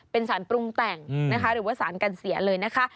เป็นสารปรุงแต่งนะคะหรือว่าสารกันเสียเลยนะคะ